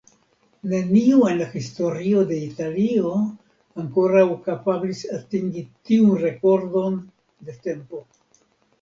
Neniu en la historio de Italio ankoraŭ kapablis atingi tiun rekordon de tempo.